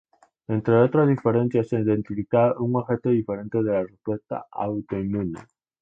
Entre otras diferencias se ha identificado un objetivo diferente de la respuesta autoinmune.